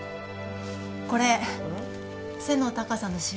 これ背の高さの印。